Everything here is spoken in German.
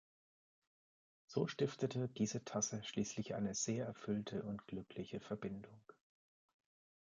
So stiftete diese Tasse schließlich eine sehr erfüllte und glückliche Verbindung.